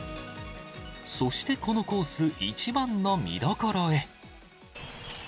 そしてこのコース一番の見どころへ。